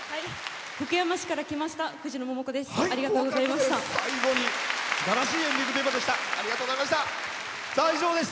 福山市から来ましたふじのです。